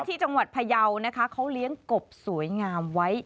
ที่จังหวัดพยาวนะคะเขาเลี้ยงกบสวยงามไว้